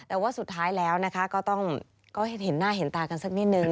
แต่ว่าสุดท้ายแล้วนะคะก็ต้องเห็นหน้าเห็นตากันสักนิดนึง